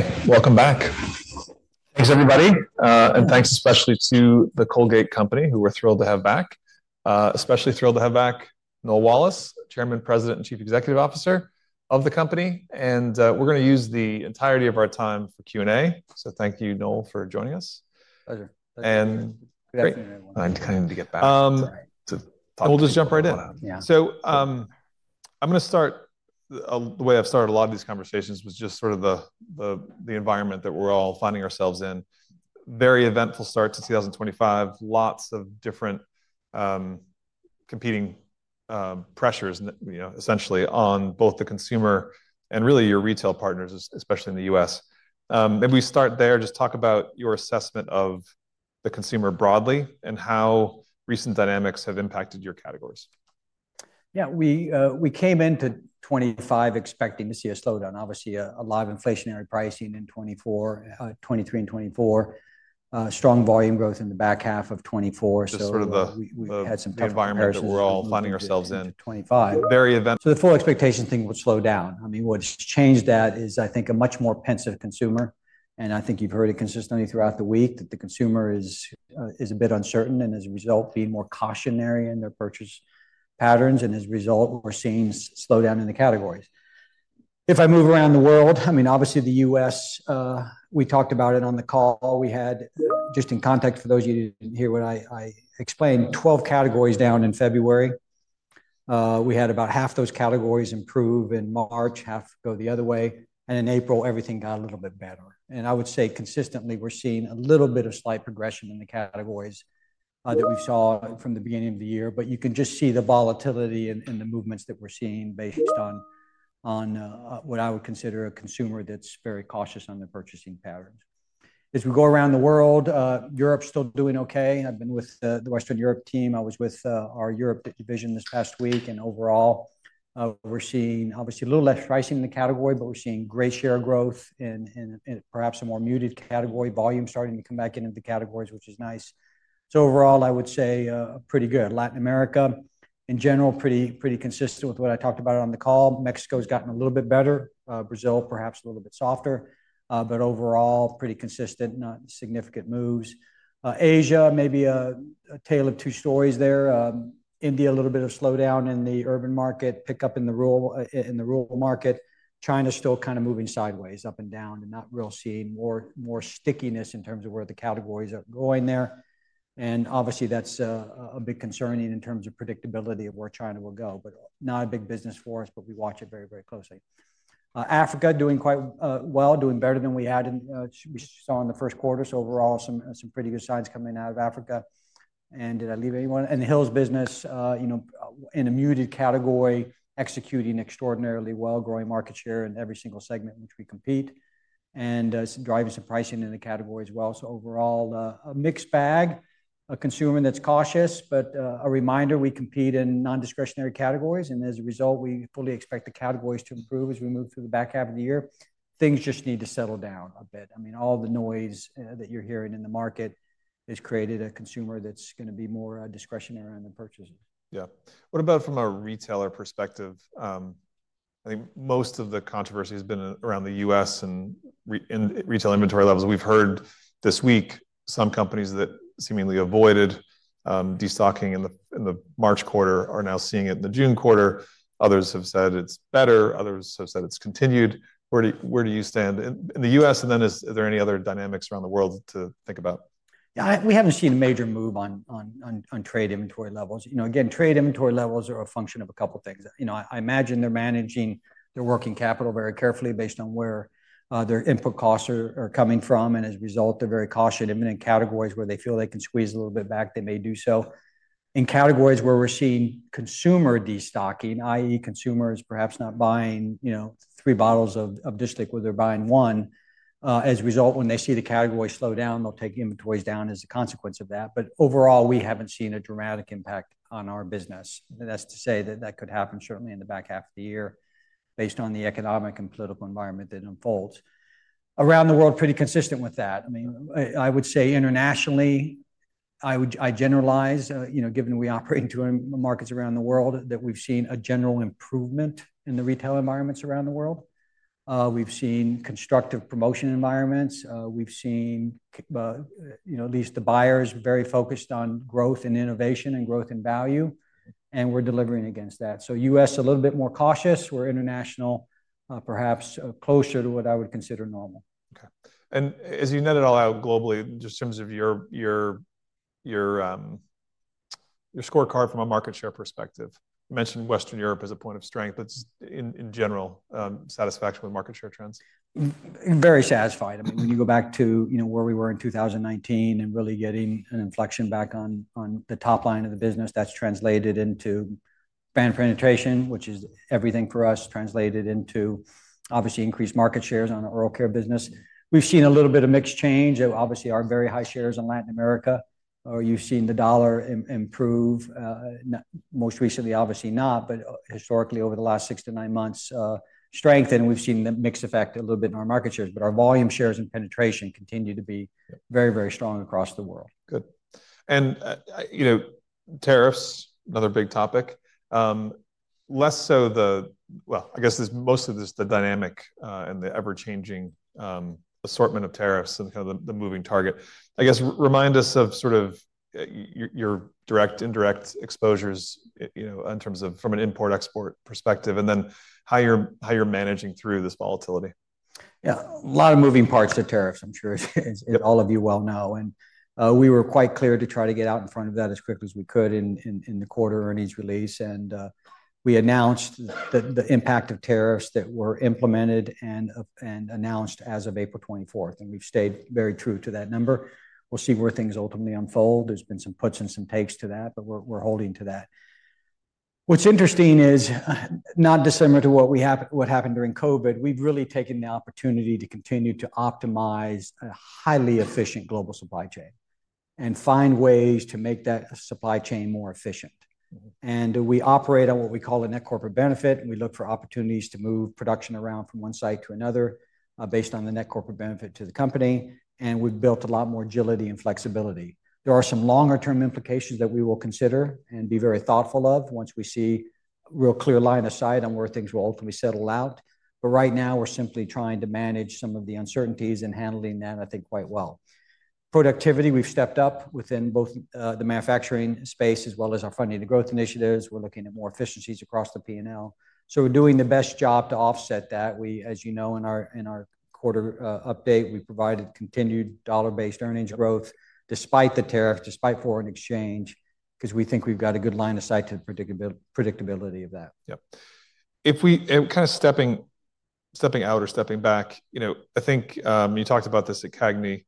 Hey, welcome back. Thanks, everybody. Thanks especially to the Colgate company, who we're thrilled to have back. Especially thrilled to have back Noel Wallace, Chairman, President, and Chief Executive Officer of the company. We're going to use the entirety of our time for Q&A. Thank you, Noel, for joining us. Pleasure. And. Good afternoon, everyone. I kind of need to get back to talk to. We'll just jump right in. Yeah. I'm going to start the way I've started a lot of these conversations, which is just sort of the environment that we're all finding ourselves in. Very eventful start to 2025, lots of different competing pressures, essentially, on both the consumer and really your retail partners, especially in the U.S.. Maybe we start there, just talk about your assessment of the consumer broadly and how recent dynamics have impacted your categories. Yeah, we came into 2025 expecting to see a slowdown, obviously, a lot of inflationary pricing in 2023 and 2024, strong volume growth in the back half of 2024. Just sort of the environment that we're all finding ourselves in. 2025. Very. The full expectation thing would slow down. I mean, what's changed that is, I think, a much more pensive consumer. I think you've heard it consistently throughout the week that the consumer is a bit uncertain and, as a result, being more cautionary in their purchase patterns. As a result, we're seeing slowdown in the categories. If I move around the world, I mean, obviously, the U.S., we talked about it on the call. We had, just in context for those of you who didn't hear what I explained, 12 categories down in February. We had about half those categories improve in March, half go the other way. In April, everything got a little bit better. I would say consistently, we're seeing a little bit of slight progression in the categories that we saw from the beginning of the year. You can just see the volatility and the movements that we're seeing based on what I would consider a consumer that's very cautious on their purchasing patterns. As we go around the world, Europe is still doing okay. I have been with the Western Europe team. I was with our Europe division this past week. Overall, we're seeing, obviously, a little less pricing in the category, but we're seeing great share growth and perhaps a more muted category volume starting to come back into the categories, which is nice. Overall, I would say pretty good. Latin America, in general, pretty consistent with what I talked about on the call. Mexico has gotten a little bit better. Brazil, perhaps a little bit softer, but overall, pretty consistent, not significant moves. Asia, maybe a tale of two stories there. India, a little bit of slowdown in the urban market, pickup in the rural market. China is still kind of moving sideways, up and down, and not really seeing more stickiness in terms of where the categories are going there. Obviously, that's a big concern in terms of predictability of where China will go, but not a big business for us, but we watch it very, very closely. Africa doing quite well, doing better than we had seen in the first quarter. Overall, some pretty good signs coming out of Africa. Did I leave anyone? The Hill's business, in a muted category, executing extraordinarily well, growing market share in every single segment in which we compete, and driving some pricing in the category as well. Overall, a mixed bag, a consumer that's cautious, but a reminder, we compete in non-discretionary categories. As a result, we fully expect the categories to improve as we move through the back half of the year. Things just need to settle down a bit. I mean, all the noise that you're hearing in the market has created a consumer that's going to be more discretionary on their purchases. Yeah. What about from a retailer perspective? I think most of the controversy has been around the U.S. and retail inventory levels. We've heard this week some companies that seemingly avoided destocking in the March quarter are now seeing it in the June quarter. Others have said it's better. Others have said it's continued. Where do you stand in the U.S.? Are there any other dynamics around the world to think about? Yeah, we haven't seen a major move on trade inventory levels. Again, trade inventory levels are a function of a couple of things. I imagine they're managing their working capital very carefully based on where their input costs are coming from. As a result, they're very cautious. In categories where they feel they can squeeze a little bit back, they may do so. In categories where we're seeing consumer destocking, i.e., consumers perhaps not buying three bottles of [Distick], where they're buying one, as a result, when they see the category slow down, they'll take inventories down as a consequence of that. Overall, we haven't seen a dramatic impact on our business. That's to say that that could happen certainly in the back half of the year based on the economic and political environment that unfolds. Around the world, pretty consistent with that. I mean, I would say internationally, I generalize, given we operate into markets around the world, that we've seen a general improvement in the retail environments around the world. We've seen constructive promotion environments. We've seen at least the buyers very focused on growth and innovation and growth and value. And we're delivering against that. So U.S., a little bit more cautious, where international, perhaps closer to what I would consider normal. Okay. As you net it all out globally, just in terms of your scorecard from a market share perspective, you mentioned Western Europe as a point of strength, but in general, satisfaction with market share trends? Very satisfied. I mean, when you go back to where we were in 2019 and really getting an inflection back on the top line of the business, that's translated into brand penetration, which is everything for us, translated into, obviously, increased market shares on the oral care business. We've seen a little bit of mixed change. Obviously, our very high shares in Latin America, or you've seen the dollar improve. Most recently, obviously not, but historically, over the last six to nine months, strength. We've seen the mixed effect a little bit in our market shares. Our volume shares and penetration continue to be very, very strong across the world. Good. Tariffs, another big topic. Less so the, well, I guess most of this is the dynamic and the ever-changing assortment of tariffs and kind of the moving target. I guess remind us of sort of your direct, indirect exposures in terms of from an import-export perspective and then how you're managing through this volatility. Yeah, a lot of moving parts of tariffs, I'm sure all of you well know. We were quite clear to try to get out in front of that as quickly as we could in the quarter earnings release. We announced the impact of tariffs that were implemented and announced as of April 24th. We have stayed very true to that number. We'll see where things ultimately unfold. There have been some puts and some takes to that, but we're holding to that. What's interesting is, not dissimilar to what happened during COVID, we've really taken the opportunity to continue to optimize a highly efficient global supply chain and find ways to make that supply chain more efficient. We operate on, what we call, a net corporate benefit. We look for opportunities to move production around from one site to another based on the net corporate benefit to the company. We have built a lot more agility and flexibility. There are some longer-term implications that we will consider and be very thoughtful of once we see a real clear line of sight on where things will ultimately settle out. Right now, we are simply trying to manage some of the uncertainties and handling that, I think, quite well. Productivity, we have stepped up within both the manufacturing space as well as our funding and growth initiatives. We are looking at more efficiencies across the P&L. We are doing the best job to offset that. As you know, in our quarter update, we provided continued dollar-based earnings growth despite the tariff, despite foreign exchange, because we think we have got a good line of sight to the predictability of that. Yep. If we kind of step out or step back, I think you talked about this at CAGNI.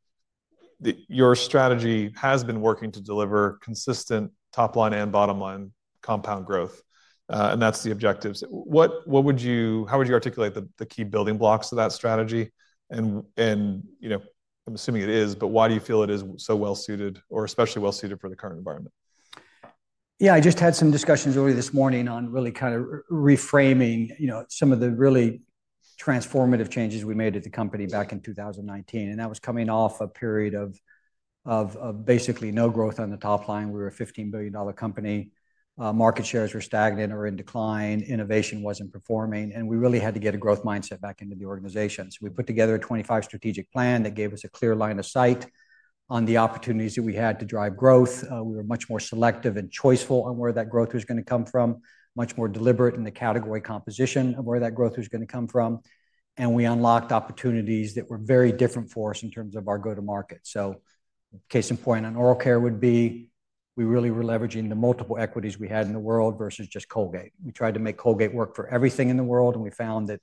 Your strategy has been working to deliver consistent top-line and bottom-line compound growth. That is the objective. How would you articulate the key building blocks of that strategy? I am assuming it is, but why do you feel it is so well-suited or especially well-suited for the current environment? Yeah, I just had some discussions early this morning on really kind of reframing some of the really transformative changes we made at the company back in 2019. That was coming off a period of basically no growth on the top line. We were a $15 billion company. Market shares were stagnant or in decline. Innovation was not performing. We really had to get a growth mindset back into the organization. We put together a 25-strategic plan that gave us a clear line of sight on the opportunities that we had to drive growth. We were much more selective and choiceful on where that growth was going to come from, much more deliberate in the category composition of where that growth was going to come from. We unlocked opportunities that were very different for us in terms of our go-to-market. Case in point on oral care would be we really were leveraging the multiple equities we had in the world versus just Colgate. We tried to make Colgate work for everything in the world. We found that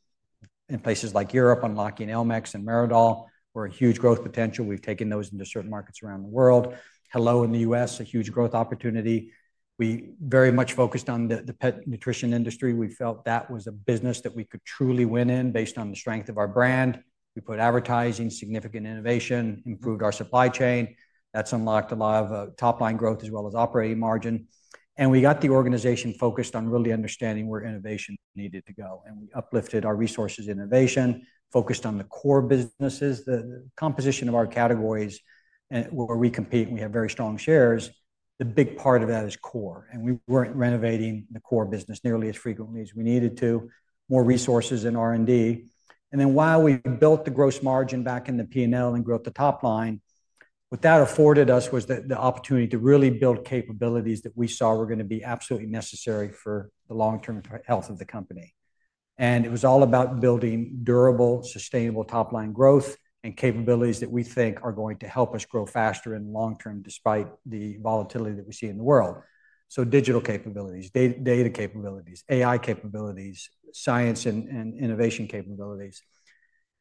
in places like Europe, unlocking Elmex and Meridol were a huge growth potential. We've taken those into certain markets around the world. Hello in the U.S., a huge growth opportunity. We very much focused on the pet nutrition industry. We felt that was a business that we could truly win in based on the strength of our brand. We put advertising, significant innovation, improved our supply chain. That has unlocked a lot of top-line growth as well as operating margin. We got the organization focused on really understanding where innovation needed to go. We uplifted our resources in innovation, focused on the core businesses, the composition of our categories where we compete, and we have very strong shares. The big part of that is core. We were not renovating the core business nearly as frequently as we needed to, more resources in R&D. While we built the gross margin back in the P&L and growth at the top line, what that afforded us was the opportunity to really build capabilities that we saw were going to be absolutely necessary for the long-term health of the company. It was all about building durable, sustainable top-line growth and capabilities that we think are going to help us grow faster in the long-term despite the volatility that we see in the world. Digital capabilities, data capabilities, AI capabilities, science and innovation capabilities.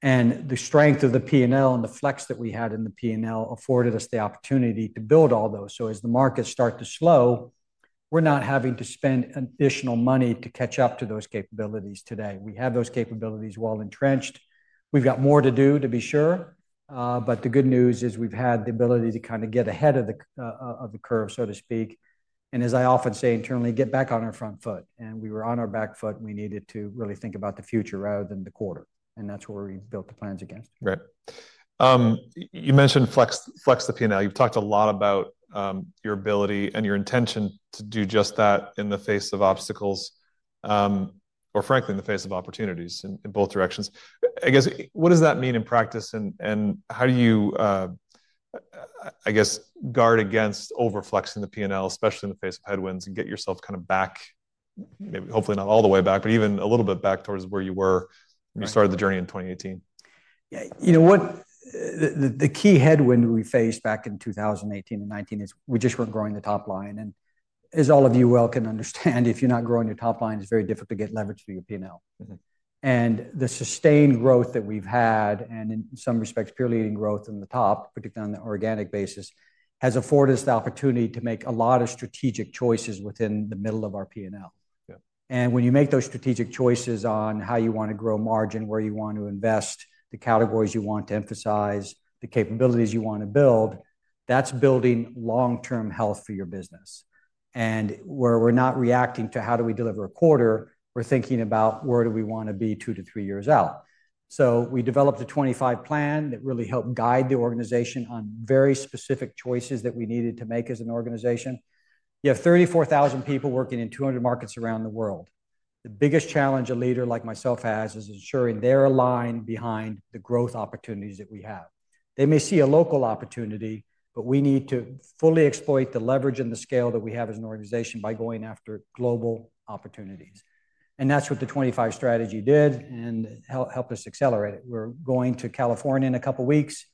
The strength of the P&L and the flex that we had in the P&L afforded us the opportunity to build all those. As the markets start to slow, we're not having to spend additional money to catch up to those capabilities today. We have those capabilities well entrenched. We've got more to do, to be sure. The good news is we've had the ability to kind of get ahead of the curve, so to speak. As I often say internally, get back on our front foot. We were on our back foot. We needed to really think about the future rather than the quarter. That's where we built the plans against. Right. You mentioned flex the P&L. You've talked a lot about your ability and your intention to do just that in the face of obstacles or, frankly, in the face of opportunities in both directions. I guess, what does that mean in practice? How do you, I guess, guard against overflexing the P&L, especially in the face of headwinds, and get yourself kind of back, maybe hopefully not all the way back, but even a little bit back towards where you were when you started the journey in 2018? Yeah. You know what? The key headwind we faced back in 2018 and 2019 is we just were not growing the top line. As all of you well can understand, if you are not growing your top line, it is very difficult to get leverage through your P&L. The sustained growth that we have had and, in some respects, peer-leading growth in the top, particularly on the organic basis, has afforded us the opportunity to make a lot of strategic choices within the middle of our P&L. When you make those strategic choices on how you want to grow margin, where you want to invest, the categories you want to emphasize, the capabilities you want to build, that is building long-term health for your business. We are not reacting to how do we deliver a quarter, we are thinking about where do we want to be two to three years out. We developed a 2025 plan that really helped guide the organization on very specific choices that we needed to make as an organization. You have 34,000 people working in 200 markets around the world. The biggest challenge a leader like myself has is ensuring they're aligned behind the growth opportunities that we have. They may see a local opportunity, but we need to fully exploit the leverage and the scale that we have as an organization by going after global opportunities. That is what the 2025 strategy did and helped us accelerate it. We're going to California in a couple of weeks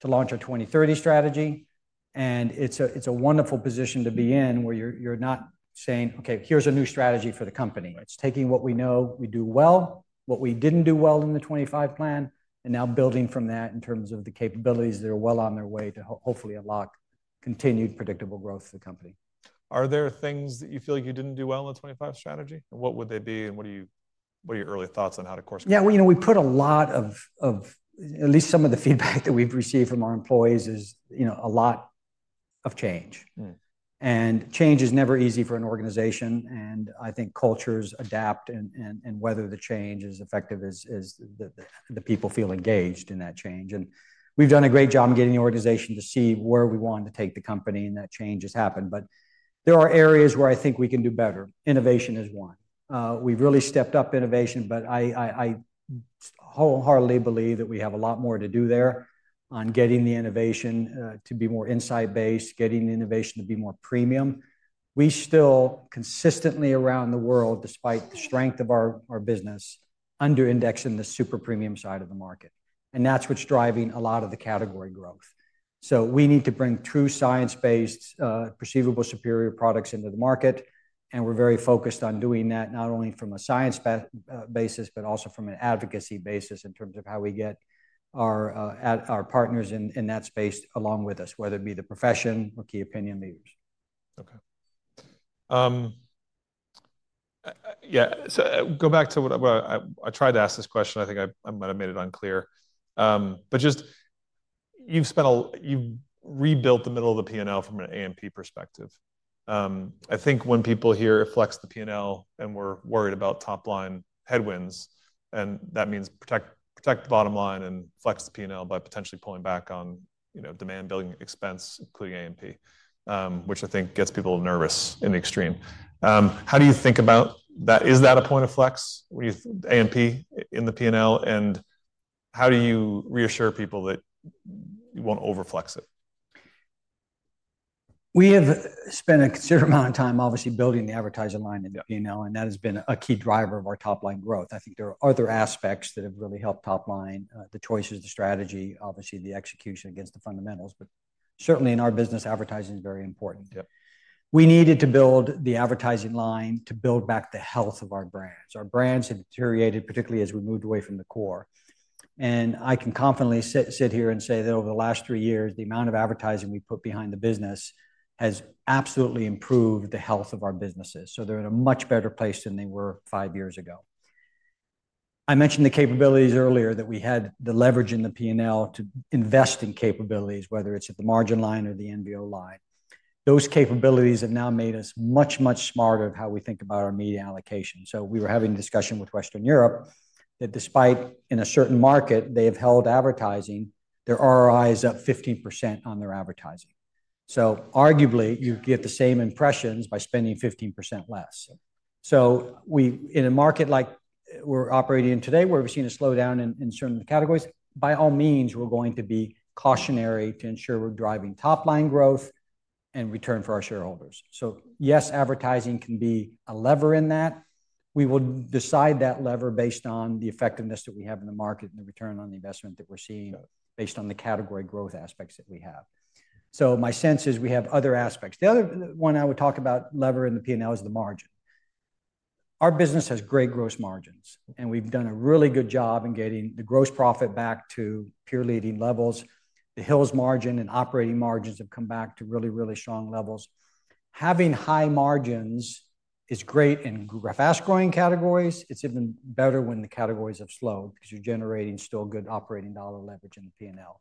to launch our 2030 strategy. It is a wonderful position to be in where you're not saying, "Okay, here's a new strategy for the company." It is taking what we know we do well, what we did not do well in the 2025 plan, and now building from that in terms of the capabilities that are well on their way to hopefully unlock continued predictable growth for the company. Are there things that you feel like you didn't do well in the 2025 strategy? What would they be? What are your early thoughts on how to course-correct? Yeah. We put a lot of, at least some of the feedback that we've received from our employees is a lot of change. Change is never easy for an organization. I think cultures adapt and weather the change as effective as the people feel engaged in that change. We've done a great job in getting the organization to see where we want to take the company and that change has happened. There are areas where I think we can do better. Innovation is one. We've really stepped up innovation, but I wholeheartedly believe that we have a lot more to do there on getting the innovation to be more insight-based, getting the innovation to be more premium. We still consistently around the world, despite the strength of our business, underindex in the super premium side of the market. is what is driving a lot of the category growth. We need to bring true science-based, perceivable superior products into the market. We are very focused on doing that not only from a science basis, but also from an advocacy basis in terms of how we get our partners in that space along with us, whether it be the profession or key opinion leaders. Okay. Yeah. To go back to what I tried to ask, this question, I think I might have made it unclear. Just, you've rebuilt the middle of the P&L from an A&P perspective. I think when people hear flex the P&L and we're worried about top-line headwinds, that means protect the bottom line and flex the P&L by potentially pulling back on demand-building expense, including A&P, which I think gets people nervous in the extreme. How do you think about that? Is that a point of flex, A&P in the P&L? How do you reassure people that you won't overflex it? We have spent a considerable amount of time obviously building the advertising line in the P&L. That has been a key driver of our top-line growth. I think there are other aspects that have really helped top-line, the choices, the strategy, obviously the execution against the fundamentals. Certainly in our business, advertising is very important. We needed to build the advertising line to build back the health of our brands. Our brands have deteriorated, particularly as we moved away from the core. I can confidently sit here and say that over the last three years, the amount of advertising we put behind the business has absolutely improved the health of our businesses. They are in a much better place than they were five years ago. I mentioned the capabilities earlier that we had the leverage in the P&L to invest in capabilities, whether it's at the margin line or the NVO line. Those capabilities have now made us much, much smarter of how we think about our media allocation. We were having a discussion with Western Europe that despite in a certain market, they have held advertising, their ROI is up 15% on their advertising. Arguably, you get the same impressions by spending 15% less. In a market like we're operating in today, where we've seen a slowdown in certain categories, by all means, we're going to be cautionary to ensure we're driving top-line growth and return for our shareholders. Yes, advertising can be a lever in that. We will decide that lever based on the effectiveness that we have in the market and the return on the investment that we're seeing based on the category growth aspects that we have. My sense is we have other aspects. The other one I would talk about, lever in the P&L, is the margin. Our business has great gross margins. We have done a really good job in getting the gross profit back to peer-leading levels. The Hill's margin and operating margins have come back to really, really strong levels. Having high margins is great in fast-growing categories. It is even better when the categories have slowed because you are generating still good operating dollar leverage in the P&L.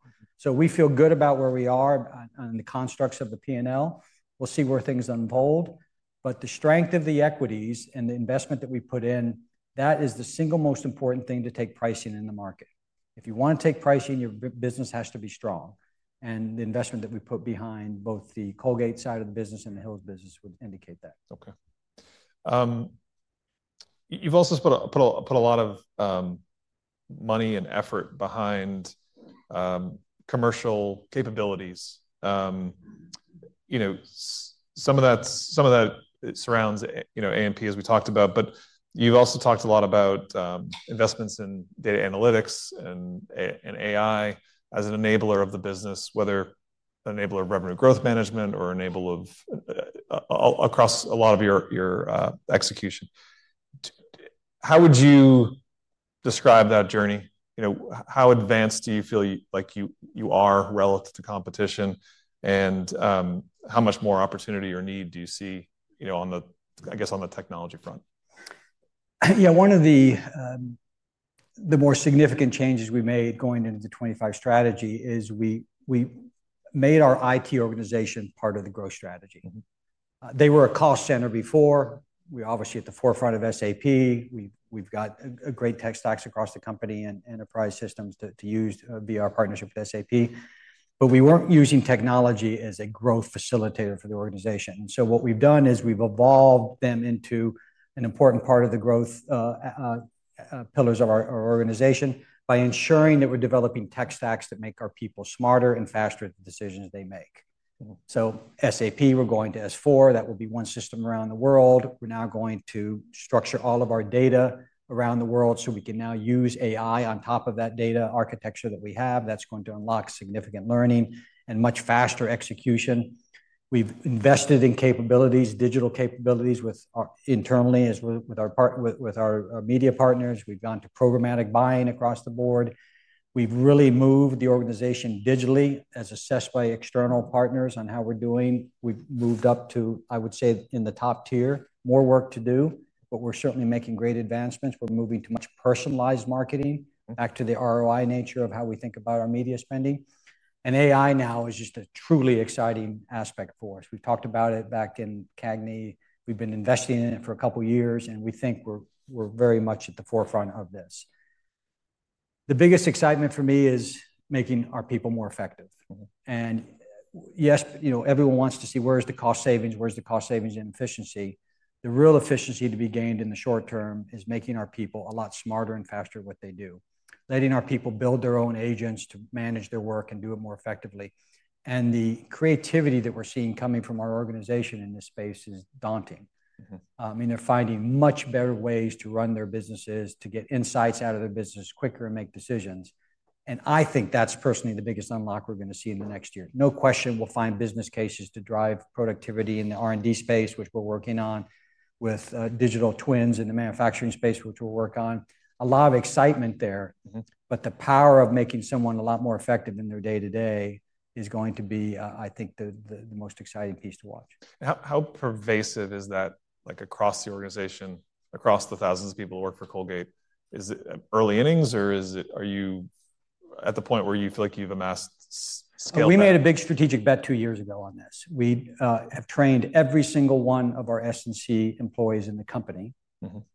We feel good about where we are on the constructs of the P&L. We will see where things unfold. The strength of the equities and the investment that we put in, that is the single most important thing to take pricing in the market. If you want to take pricing, your business has to be strong. The investment that we put behind both the Colgate side of the business and the Hill's business would indicate that. Okay. You've also put a lot of money and effort behind commercial capabilities. Some of that surrounds A&P, as we talked about. You've also talked a lot about investments in data analytics and AI as an enabler of the business, whether an enabler of revenue growth management or enabler of across a lot of your execution. How would you describe that journey? How advanced do you feel like you are relative to competition? How much more opportunity or need do you see, I guess, on the technology front? Yeah. One of the more significant changes we made going into the 2025 strategy is we made our IT organization part of the growth strategy. They were a cost center before. We're obviously at the forefront of SAP. We've got great tech stacks across the company and enterprise systems to use via our partnership with SAP. We weren't using technology as a growth facilitator for the organization. What we've done is we've evolved them into an important part of the growth pillars of our organization by ensuring that we're developing tech stacks that make our people smarter and faster at the decisions they make. SAP, we're going to S/4. That will be one system around the world. We're now going to structure all of our data around the world so we can now use AI on top of that data architecture that we have that's going to unlock significant learning and much faster execution. We've invested in capabilities, digital capabilities internally with our media partners. We've gone to programmatic buying across the board. We've really moved the organization digitally as assessed by external partners on how we're doing. We've moved up to, I would say, in the top tier, more work to do. We're certainly making great advancements. We're moving to much personalized marketing back to the ROI nature of how we think about our media spending. AI now is just a truly exciting aspect for us. We've talked about it back in CAGNI. We've been investing in it for a couple of years. We think we're very much at the forefront of this. The biggest excitement for me is making our people more effective. Yes, everyone wants to see where is the cost savings, where's the cost savings and efficiency. The real efficiency to be gained in the short-term is making our people a lot smarter and faster at what they do, letting our people build their own agents to manage their work and do it more effectively. The creativity that we're seeing coming from our organization in this space is daunting. I mean, they're finding much better ways to run their businesses, to get insights out of their businesses quicker and make decisions. I think that's personally the biggest unlock we're going to see in the next year. No question we'll find business cases to drive productivity in the R&D space, which we're working on, with digital twins in the manufacturing space, which we'll work on. A lot of excitement there. The power of making someone a lot more effective in their day-to-day is going to be, I think, the most exciting piece to watch. How pervasive is that across the organization, across the thousands of people who work for Colgate? Is it early innings, or are you at the point where you feel like you've amassed skill? We made a big strategic bet two years ago on this. We have trained every single one of our S&C employees in the company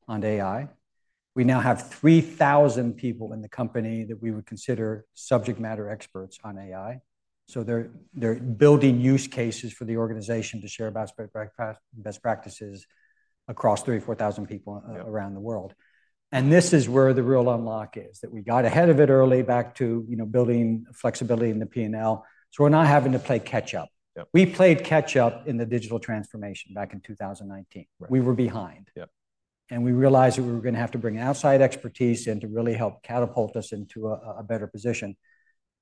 on AI. We now have 3,000 people in the company that we would consider subject matter experts on AI. They are building use cases for the organization to share best practices across 3,000-4,000 people around the world. This is where the real unlock is, that we got ahead of it early back to building flexibility in the P&L. We are not having to play catch-up. We played catch-up in the digital transformation back in 2019. We were behind. We realized that we were going to have to bring outside expertise in to really help catapult us into a better position.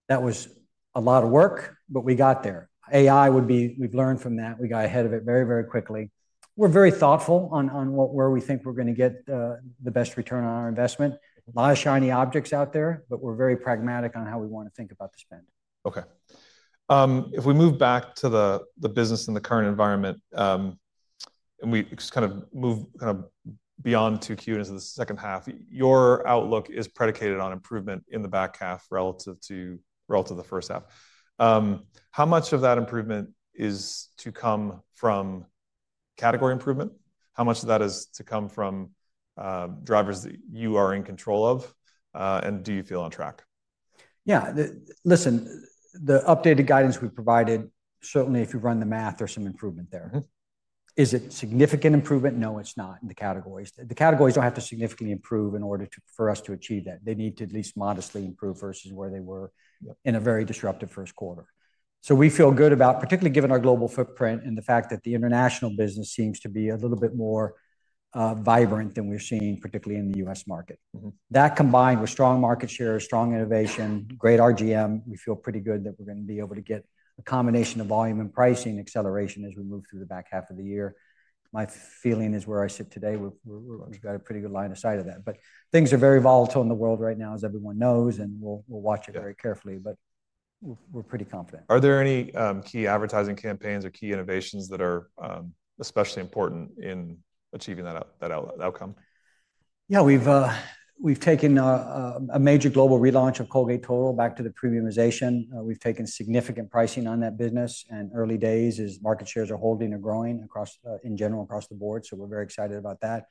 That was a lot of work, but we got there. AI would be we have learned from that. We got ahead of it very, very quickly. We're very thoughtful on where we think we're going to get the best return on our investment. A lot of shiny objects out there, but we're very pragmatic on how we want to think about the spend. Okay. If we move back to the business and the current environment, and we just kind of move kind of beyond 2Q and into the second half, your outlook is predicated on improvement in the back half relative to the first half. How much of that improvement is to come from category improvement? How much of that is to come from drivers that you are in control of? And do you feel on track? Yeah. Listen, the updated guidance we provided, certainly if you run the math, there's some improvement there. Is it significant improvement? No, it's not in the categories. The categories do not have to significantly improve in order for us to achieve that. They need to at least modestly improve versus where they were in a very disruptive first quarter. We feel good about, particularly given our global footprint and the fact that the international business seems to be a little bit more vibrant than we're seeing, particularly in the U.S. market. That combined with strong market share, strong innovation, great RGM, we feel pretty good that we're going to be able to get a combination of volume and pricing acceleration as we move through the back half of the year. My feeling is where I sit today, we've got a pretty good line of sight of that. Things are very volatile in the world right now, as everyone knows. We will watch it very carefully. We are pretty confident. Are there any key advertising campaigns or key innovations that are especially important in achieving that outcome? Yeah. We've taken a major global relaunch of Colgate Total back to the premiumization. We've taken significant pricing on that business. Early days as market shares are holding or growing in general across the board. We are very excited about that.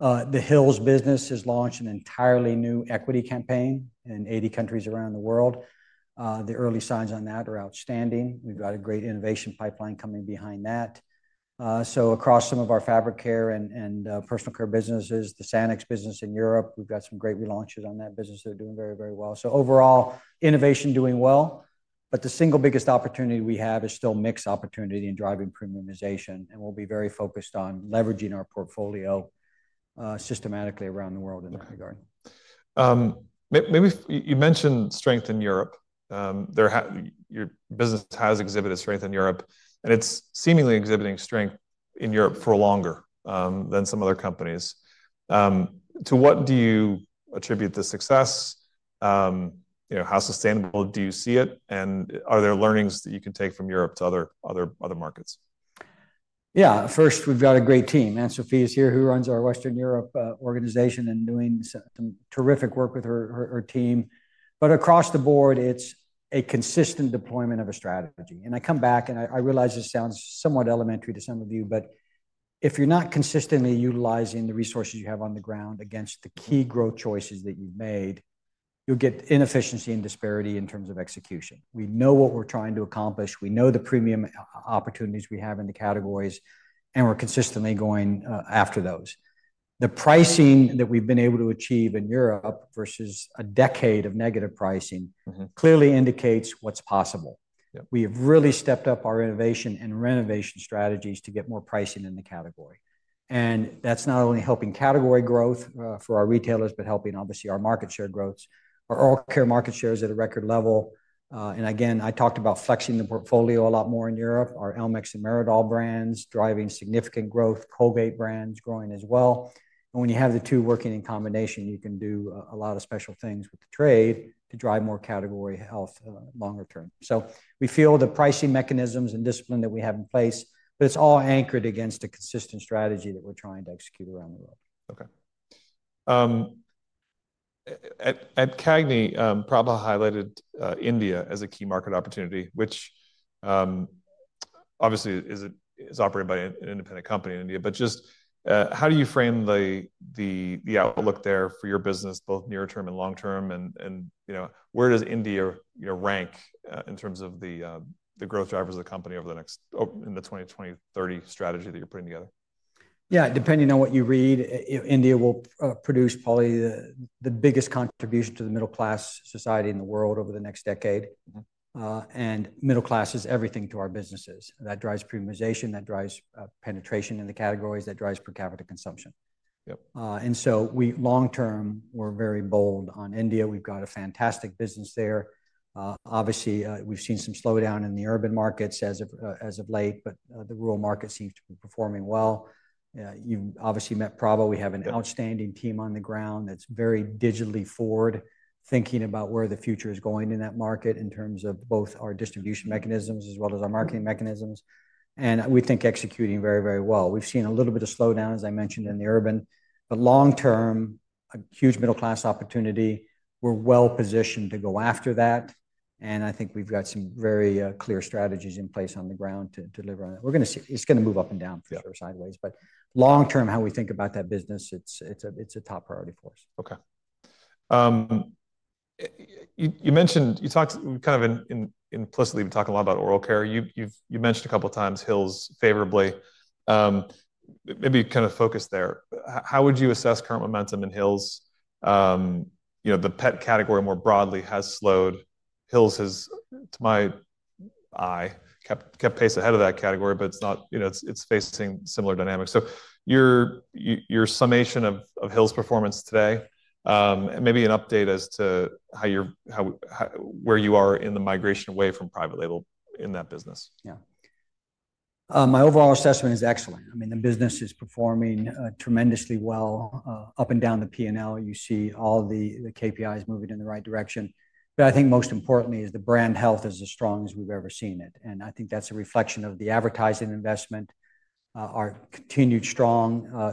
The Hill's business has launched an entirely new equity campaign in 80 countries around the world. The early signs on that are outstanding. We've got a great innovation pipeline coming behind that. Across some of our fabric care and personal care businesses, the Sanex business in Europe, we've got some great relaunches on that business that are doing very, very well. Overall, innovation doing well. The single biggest opportunity we have is still mixed opportunity in driving premiumization. We will be very focused on leveraging our portfolio systematically around the world in that regard. Maybe you mentioned strength in Europe. Your business has exhibited strength in Europe. It's seemingly exhibiting strength in Europe for longer than some other companies. To what do you attribute the success? How sustainable do you see it? Are there learnings that you can take from Europe to other markets? Yeah. First, we've got a great team. Ann Sofia is here who runs our Western Europe organization and doing some terrific work with her team. Across the board, it's a consistent deployment of a strategy. I come back and I realize this sounds somewhat elementary to some of you. If you're not consistently utilizing the resources you have on the ground against the key growth choices that you've made, you'll get inefficiency and disparity in terms of execution. We know what we're trying to accomplish. We know the premium opportunities we have in the categories. We're consistently going after those. The pricing that we've been able to achieve in Europe versus a decade of negative pricing clearly indicates what's possible. We have really stepped up our innovation and renovation strategies to get more pricing in the category. That is not only helping category growth for our retailers, but helping obviously our market share growths, our healthcare market shares at a record level. I talked about flexing the portfolio a lot more in Europe, our Elmex and Meridol brands driving significant growth, Colgate brands growing as well. When you have the two working in combination, you can do a lot of special things with the trade to drive more category health longer term. We feel the pricing mechanisms and discipline that we have in place, but it is all anchored against a consistent strategy that we are trying to execute around the world. Okay. At CAGNI, Prabha highlighted India as a key market opportunity, which obviously is operated by an independent company in India. Just how do you frame the outlook there for your business, both near term and long-term? Where does India rank in terms of the growth drivers of the company over the next in the 2020-2030 strategy that you're putting together? Yeah. Depending on what you read, India will produce probably the biggest contribution to the middle-class society in the world over the next decade. And middle-class is everything to our businesses. That drives premiumization. That drives penetration in the categories. That drives per capita consumption. So we long-term, we're very bold on India. We've got a fantastic business there. Obviously, we've seen some slowdown in the urban markets as of late. The rural market seems to be performing well. You've obviously met Prabha. We have an outstanding team on the ground that's very digitally forward, thinking about where the future is going in that market in terms of both our distribution mechanisms as well as our marketing mechanisms. We think executing very, very well. We've seen a little bit of slowdown, as I mentioned, in the urban. Long-term, a huge middle-class opportunity, we're well positioned to go after that. I think we have got some very clear strategies in place on the ground to deliver on that. We are going to see it is going to move up and down for sure, sideways. Long-term, how we think about that business, it is a top priority for us. Okay. You talked kind of implicitly, we talked a lot about oral care. You mentioned a couple of times Hill's favorably. Maybe kind of focus there. How would you assess current momentum in Hill's? The pet category more broadly has slowed. Hill's has, to my eye, kept pace ahead of that category. It is facing similar dynamics. Your summation of Hill's performance today, and maybe an update as to where you are in the migration away from private label in that business. Yeah. My overall assessment is excellent. I mean, the business is performing tremendously well. Up and down the P&L, you see all the KPIs moving in the right direction. I think most importantly is the brand health is as strong as we've ever seen it. I think that's a reflection of the advertising investment, our continued strong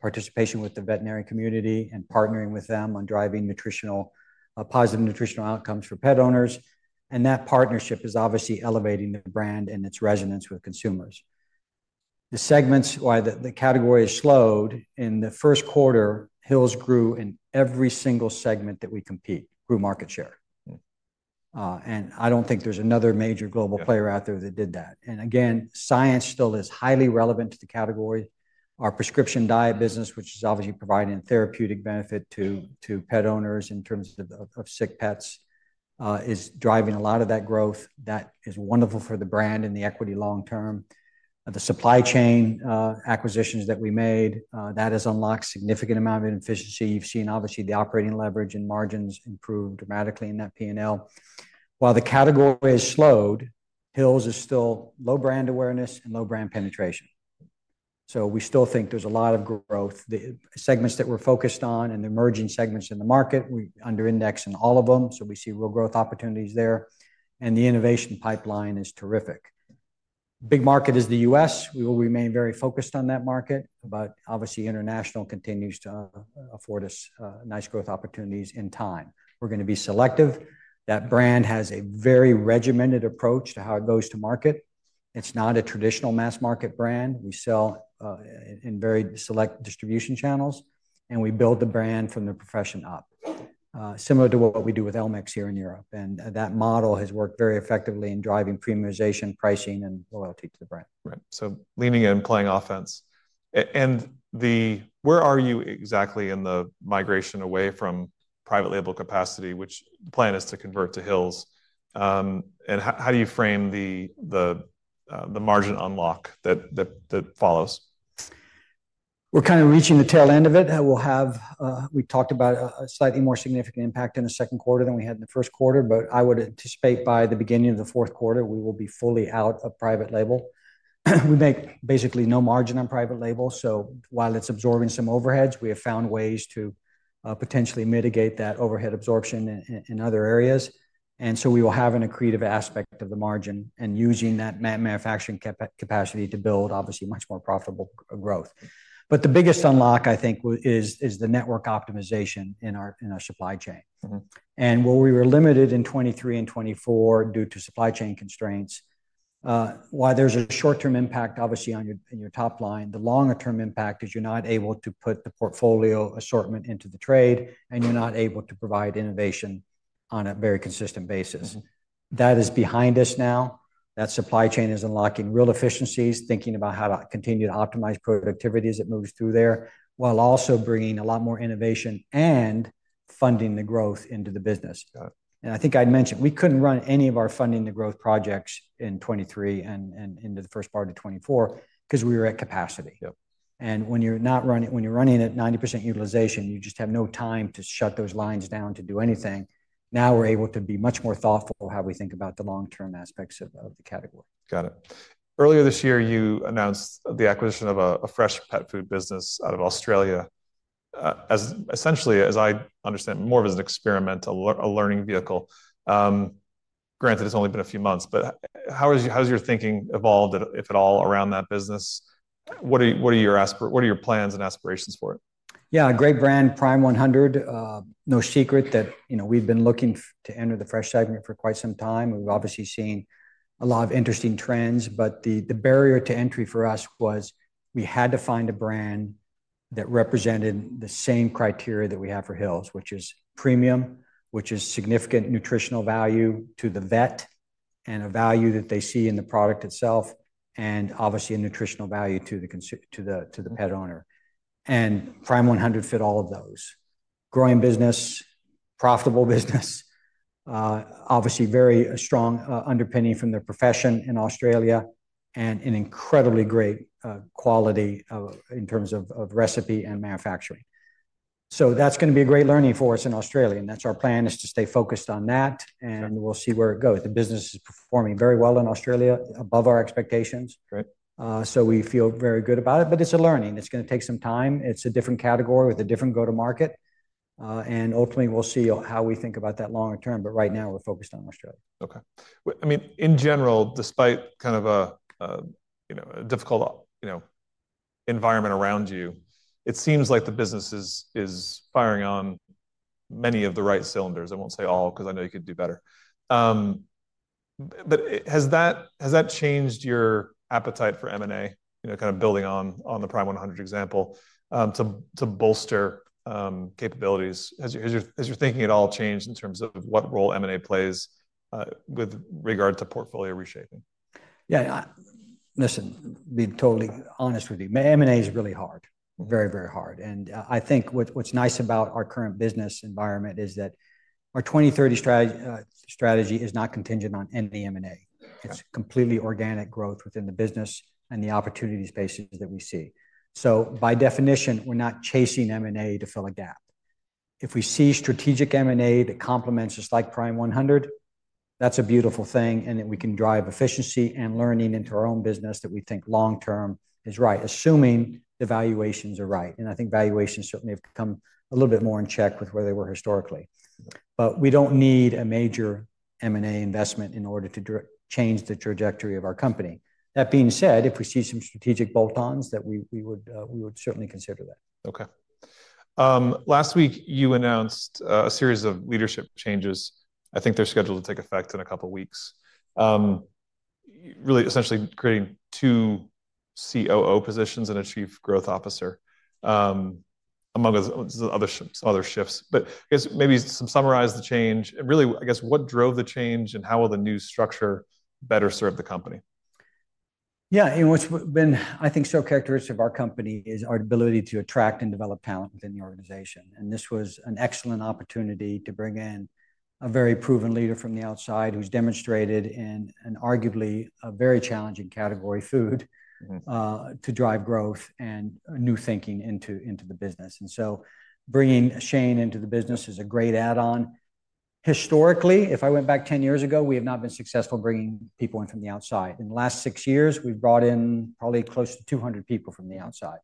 participation with the veterinary community, and partnering with them on driving positive nutritional outcomes for pet owners. That partnership is obviously elevating the brand and its resonance with consumers. The segments, why the category has slowed, in the first quarter, Hill's grew in every single segment that we compete, grew market share. I don't think there's another major global player out there that did that. Again, science still is highly relevant to the category. Our prescription diet business, which is obviously providing therapeutic benefit to pet owners in terms of sick pets, is driving a lot of that growth. That is wonderful for the brand and the equity long-term. The supply chain acquisitions that we made, that has unlocked a significant amount of inefficiency. You've seen obviously the operating leverage and margins improve dramatically in that P&L. While the category has slowed, Hill's is still low brand awareness and low brand penetration. We still think there's a lot of growth. The segments that we're focused on and the emerging segments in the market, we under index in all of them. We see real growth opportunities there. The innovation pipeline is terrific. Big market is the U.S. We will remain very focused on that market. Obviously, international continues to afford us nice growth opportunities in time. We're going to be selective. That brand has a very regimented approach to how it goes to market. It's not a traditional mass market brand. We sell in very select distribution channels. We build the brand from the profession up, similar to what we do with Elmex here in Europe. That model has worked very effectively in driving premiumization, pricing, and loyalty to the brand. Right. Leaning and playing offense. Where are you exactly in the migration away from private label capacity, which the plan is to convert to Hill's? How do you frame the margin unlock that follows? We're kind of reaching the tail end of it. We talked about a slightly more significant impact in the second quarter than we had in the first quarter. I would anticipate by the beginning of the fourth quarter, we will be fully out of private label. We make basically no margin on private label. While it's absorbing some overheads, we have found ways to potentially mitigate that overhead absorption in other areas. We will have an accretive aspect of the margin and using that manufacturing capacity to build obviously much more profitable growth. The biggest unlock, I think, is the network optimization in our supply chain. Where we were limited in 2023 and 2024 due to supply chain constraints, while there's a short-term impact obviously on your top line, the longer-term impact is you're not able to put the portfolio assortment into the trade. You are not able to provide innovation on a very consistent basis. That is behind us now. That supply chain is unlocking real efficiencies, thinking about how to continue to optimize productivity as it moves through there, while also bringing a lot more innovation and funding the growth into the business. I think I mentioned we could not run any of our funding the growth projects in 2023 and into the first part of 2024 because we were at capacity. When you are running at 90% utilization, you just have no time to shut those lines down to do anything. Now we are able to be much more thoughtful of how we think about the long-term aspects of the category. Got it. Earlier this year, you announced the acquisition of a fresh pet food business out of Australia, essentially, as I understand, more of as an experiment, a learning vehicle. Granted, it's only been a few months. How has your thinking evolved, if at all, around that business? What are your plans and aspirations for it? Yeah. Great brand, Prime100. No secret that we've been looking to enter the fresh segment for quite some time. We've obviously seen a lot of interesting trends. The barrier to entry for us was we had to find a brand that represented the same criteria that we have for Hill's, which is premium, which is significant nutritional value to the vet, and a value that they see in the product itself, and obviously a nutritional value to the pet owner. Prime100 fit all of those. Growing business, profitable business, obviously very strong underpinning from their profession in Australia, and an incredibly great quality in terms of recipe and manufacturing. That is going to be a great learning for us in Australia. That is our plan, to stay focused on that. We'll see where it goes. The business is performing very well in Australia, above our expectations. We feel very good about it. It is a learning. It is going to take some time. It is a different category with a different go-to-market. Ultimately, we will see how we think about that longer term. Right now, we are focused on Australia. Okay. I mean, in general, despite kind of a difficult environment around you, it seems like the business is firing on many of the right cylinders. I won't say all because I know you could do better. Has that changed your appetite for M&A, kind of building on the Prime100 example to bolster capabilities? Has your thinking at all changed in terms of what role M&A plays with regard to portfolio reshaping? Yeah. Listen, I'll be totally honest with you. M&A is really hard, very, very hard. I think what's nice about our current business environment is that our 2030 strategy is not contingent on any M&A. It's completely organic growth within the business and the opportunity spaces that we see. By definition, we're not chasing M&A to fill a gap. If we see strategic M&A that complements just like Prime100, that's a beautiful thing. That we can drive efficiency and learning into our own business that we think long-term is right, assuming the valuations are right. I think valuations certainly have come a little bit more in check with where they were historically. We don't need a major M&A investment in order to change the trajectory of our company. That being said, if we see some strategic bolt-ons, we would certainly consider that. Okay. Last week, you announced a series of leadership changes. I think they're scheduled to take effect in a couple of weeks, really essentially creating two COO positions and a Chief Growth Officer among some other shifts. Maybe summarize the change. I guess, what drove the change and how will the new structure better serve the company? Yeah. What's been, I think, so characteristic of our company is our ability to attract and develop talent within the organization. This was an excellent opportunity to bring in a very proven leader from the outside who's demonstrated in an arguably very challenging category, food, to drive growth and new thinking into the business. Bringing Shane into the business is a great add-on. Historically, if I went back 10 years ago, we have not been successful bringing people in from the outside. In the last six years, we've brought in probably close to 200 people from the outside.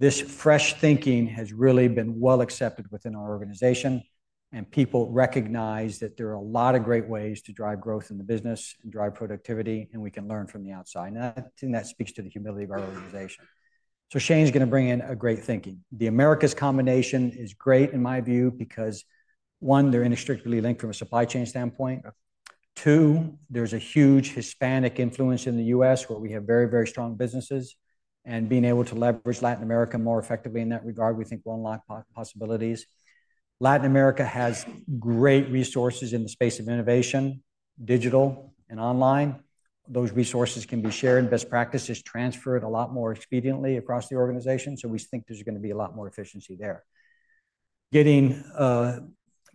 This fresh thinking has really been well accepted within our organization. People recognize that there are a lot of great ways to drive growth in the business and drive productivity. We can learn from the outside. That speaks to the humility of our organization. Shane's going to bring in great thinking. The Americas combination is great, in my view, because, one, they're inextricably linked from a supply chain standpoint. Two, there's a huge Hispanic influence in the U.S. where we have very, very strong businesses. Being able to leverage Latin America more effectively in that regard, we think will unlock possibilities. Latin America has great resources in the space of innovation, digital, and online. Those resources can be shared. Best practice is transferred a lot more expediently across the organization. We think there's going to be a lot more efficiency there.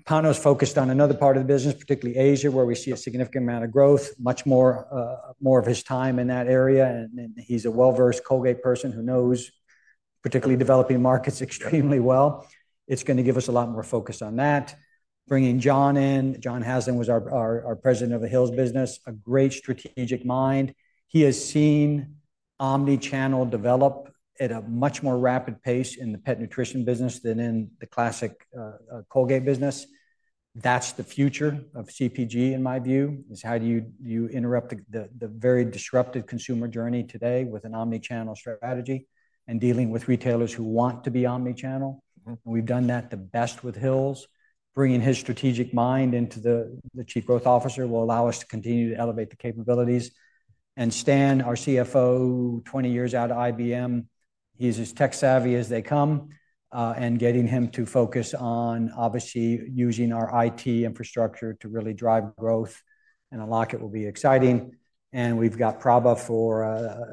Panos focused on another part of the business, particularly Asia, where we see a significant amount of growth, much more of his time in that area. He's a well-versed Colgate person who knows particularly developing markets extremely well. It's going to give us a lot more focus on that. Bringing John in, John Haslam was our president of the Hill's business, a great strategic mind. He has seen omnichannel develop at a much more rapid pace in the pet nutrition business than in the classic Colgate business. That's the future of CPG, in my view, is how do you interrupt the very disruptive consumer journey today with an omnichannel strategy and dealing with retailers who want to be omnichannel. We've done that the best with Hill's. Bringing his strategic mind into the Chief Growth Officer will allow us to continue to elevate the capabilities. Stan, our CFO, 20 years out of IBM, he's as tech-savvy as they come. Getting him to focus on obviously using our IT infrastructure to really drive growth and unlock it will be exciting. We have Prabha for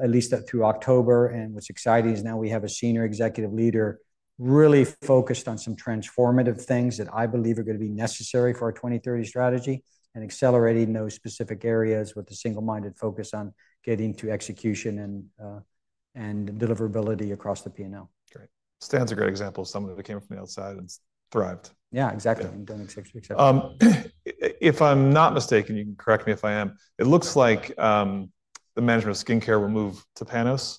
at least through October. What's exciting is now we have a senior executive leader really focused on some transformative things that I believe are going to be necessary for our 2030 strategy and accelerating those specific areas with a single-minded focus on getting to execution and deliverability across the P&L. Great. Stan's a great example of someone who came from the outside and thrived. Yeah, exactly. If I'm not mistaken, you can correct me if I am. It looks like the management of skincare will move to Panos.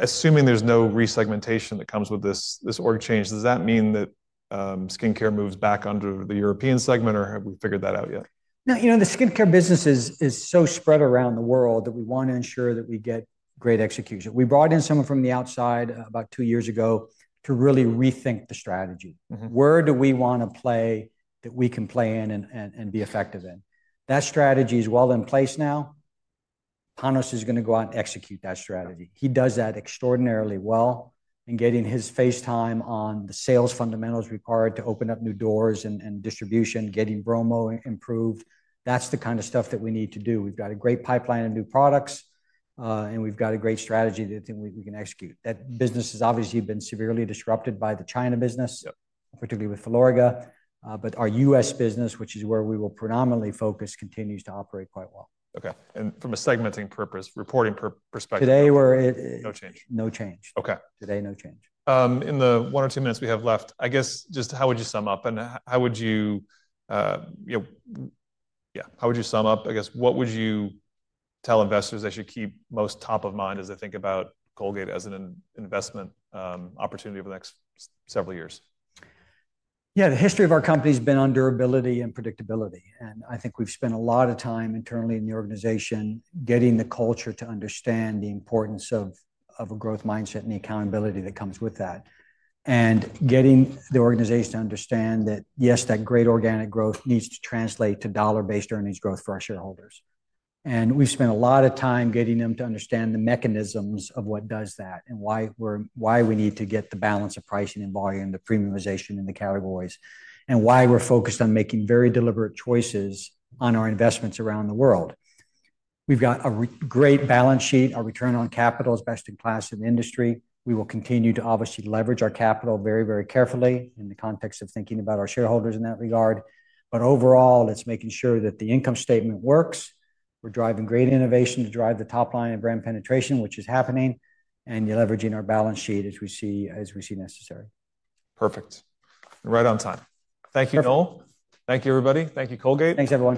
Assuming there's no resegmentation that comes with this org change, does that mean that skincare moves back under the European segment, or have we figured that out yet? No. You know, the skincare business is so spread around the world that we want to ensure that we get great execution. We brought in someone from the outside about two years ago to really rethink the strategy. Where do we want to play that we can play in and be effective in? That strategy is well in place now. Panos is going to go out and execute that strategy. He does that extraordinarily well in getting his face-time on the sales fundamentals required to open up new doors and distribution, getting promo improved. That's the kind of stuff that we need to do. We've got a great pipeline of new products. And we've got a great strategy that we can execute. That business has obviously been severely disrupted by the China business, particularly with Filorga. Our U.S. business, which is where we will predominantly focus, continues to operate quite well. Okay. From a segmenting purpose, reporting perspective, no change. Today, we're at no change. Okay. Today, no change. In the one or two minutes we have left, I guess, just how would you sum up? How would you, yeah, how would you sum up? I guess, what would you tell investors they should keep most top of mind as they think about Colgate as an investment opportunity over the next several years? Yeah. The history of our company has been on durability and predictability. I think we've spent a lot of time internally in the organization getting the culture to understand the importance of a growth mindset and the accountability that comes with that and getting the organization to understand that, yes, that great organic growth needs to translate to dollar-based earnings growth for our shareholders. We've spent a lot of time getting them to understand the mechanisms of what does that and why we need to get the balance of pricing and volume, the premiumization in the categories, and why we're focused on making very deliberate choices on our investments around the world. We've got a great balance sheet. Our return on capital is best in class in the industry. We will continue to obviously leverage our capital very, very carefully in the context of thinking about our shareholders in that regard. Overall, it's making sure that the income statement works. We're driving great innovation to drive the top line and brand penetration, which is happening. You're leveraging our balance sheet as we see necessary. Perfect. Right on time. Thank you, Noel. Thank you, everybody. Thank you, Colgate. Thanks everyone.